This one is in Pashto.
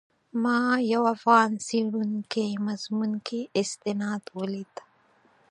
ما یو افغان څېړونکي مضمون کې استناد ولید.